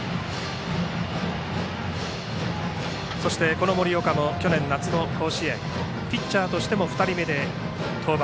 この森岡も去年夏の甲子園ピッチャーとしても２人目で登板。